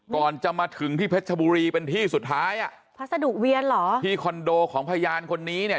ก่อนจะมาถึงที่เพชรชบุรีเป็นที่สุดท้ายอ่ะพัสดุเวียนเหรอที่คอนโดของพยานคนนี้เนี่ย